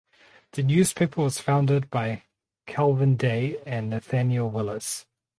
The newspaper was founded by Calvin Day and Nathaniel Willis.